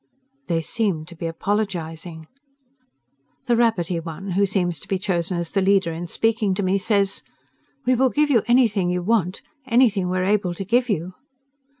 They seem to be apologizing. The rabbity one, who seems to be chosen as the leader in speaking to me, says, "We will give you anything you want. Anything we are able to give you."